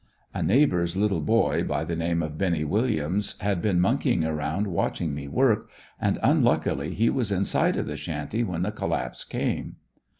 A neighbor's little boy by the name of Benny Williams, had been monkeying around watching me work, and unluckily he was inside of the shanty when the collapse came.